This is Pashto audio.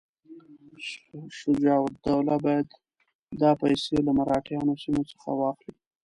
شجاع الدوله باید دا پیسې له مرهټیانو سیمو څخه واخلي.